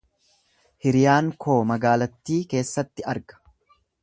Hiriyaan koo magaalattii keessatti arga